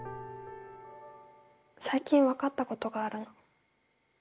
最近分かったことがあるの。